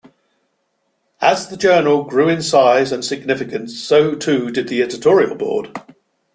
As the journal grew in size and significance, so too did the Editorial Board.